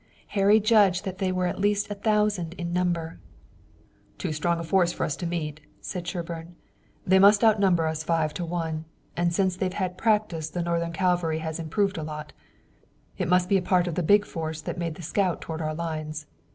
Harry judged that they were at least a thousand in number. "Too strong a force for us to meet," said Sherburne. "They must outnumber us five to one, and since they've had practice the Northern cavalry has improved a lot. It must be a part of the big force that made the scout toward our lines.